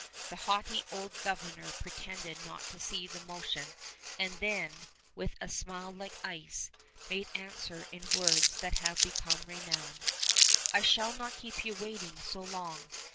The haughty old Governor pretended not to see the motion, and then, with a smile like ice, made answer in words that have become renowned: "I shall not keep you waiting so long!